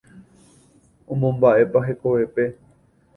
Omomba'éva hekovépe.